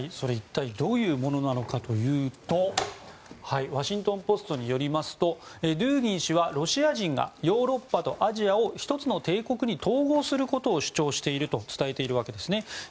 一体どういうものなのかというとワシントン・ポストによりますとドゥーギン氏はロシア人がヨーロッパとアジアを１つの帝国に統合することを主張していると伝えているわけですね。